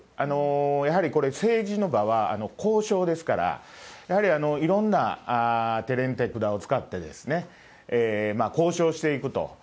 やはりこれ、政治の場は交渉ですから、やはりいろんな手練、手札を使って交渉していくと。